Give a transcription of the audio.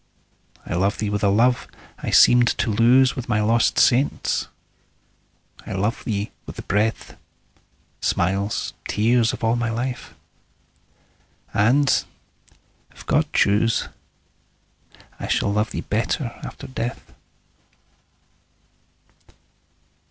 I love thee with a love I seemed to lose With my lost saints,—I love thee with the breath, Smiles, tears, of all my life!—and, if God choose, I shall but love thee better after death.